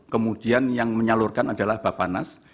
kemudian yang menyalurkan adalah bapanas